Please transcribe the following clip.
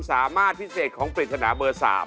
สวัสดีครับ